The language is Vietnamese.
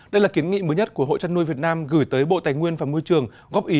đây là kiến nghị mới nhất của hội chăn nuôi việt nam gửi tới bộ tài nguyên và môi trường góp ý